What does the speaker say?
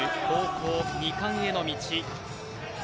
高校２冠への道。